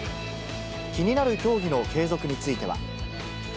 気になる競技の継続については。